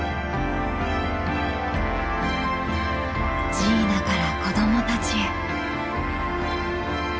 ジーナから子どもたちへ。